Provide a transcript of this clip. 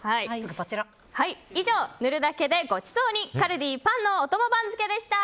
以上、塗るだけでごちそうにカルディパンのおとも番付でした。